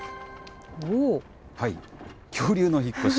恐竜の引っ越し。